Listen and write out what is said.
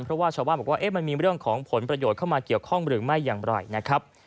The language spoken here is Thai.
เพราะว่าชาวบ้านบอกว่ามันมีเรื่องของผลประโยชน์เข้ามาเกี่ยวข้องหรือไม่อย่างไรนะครับ